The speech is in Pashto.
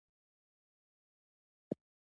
بې شمېره بزګران هم بېوزله او بې کوره کېږي